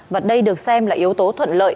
và đây được xem là yếu tố thuận lợi